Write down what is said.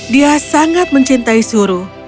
dia sangat mencintai suruh